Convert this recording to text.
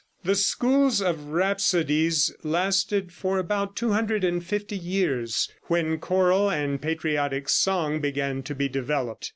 The schools of rhapsodies lasted for about 250 years, when choral and patriotic song began to be developed.